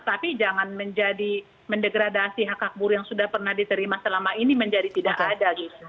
tapi jangan menjadi mendegradasi hak hak buruh yang sudah pernah diterima selama ini menjadi tidak ada gitu